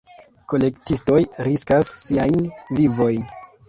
Kolektistoj riskas siajn vivojn.